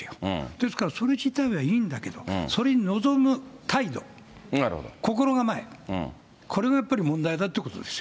ですからそれ自体はいいんだけども、それに臨む態度、心構え、これがやっぱり問題だということですよ。